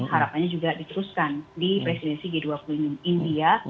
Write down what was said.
harapannya juga diteruskan di presidensi g dua puluh india